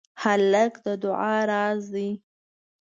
هلک د دعا راز دی.